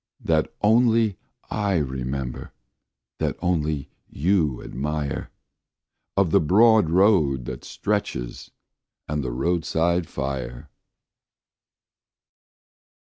That only I remember, that only you admire, Of the broad road that stretches and the roadside fire.